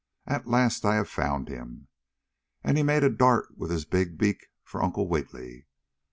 "At last I have found him!" and he made a dart with his big beak for Uncle Wiggily.